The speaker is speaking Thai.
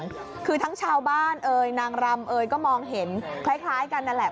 คือทั้งชาวบ้านเอ่ยนางรำเอยก็มองเห็นคล้ายกันนั่นแหละ